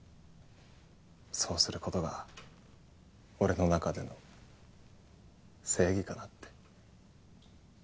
そうすることが俺の中での正義かなって。